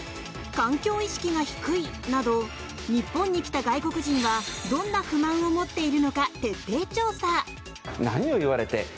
環境意識が低い！など日本に来た外国人はどんな不満を持っているのか徹底調査。